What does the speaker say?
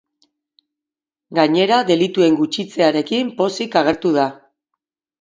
Gainera, delituen gutxitzearekin pozik agertu da.